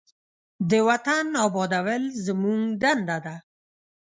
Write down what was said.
د وطن آبادول زموږ دنده ده.